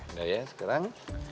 udah ya sekarang